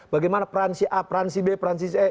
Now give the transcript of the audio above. bagaimana peransi a peransi b peransi c